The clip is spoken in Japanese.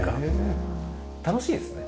楽しいですね。